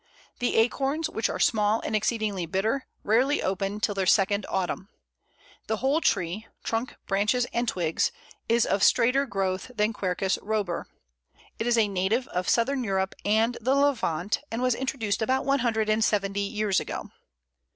The acorns, which are small and exceedingly bitter, rarely ripen till their second autumn. The whole tree trunk, branches, and twigs is of straighter growth than Quercus robur. It is a native of Southern Europe and the Levant, and was introduced about one hundred and seventy years ago.